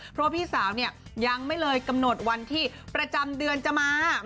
เพราะพี่สาวเนี่ยยังไม่เลยกำหนดวันที่ประจำเดือนจะมา